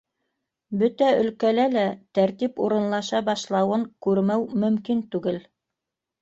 Бөтә өлкәлә лә тәртип урынлаша башлауын күрмәү мөмкин түгел.